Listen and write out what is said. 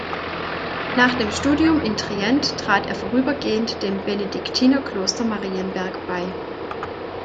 Nach dem Studium in Trient trat er vorübergehend dem Benediktinerkloster Marienberg bei.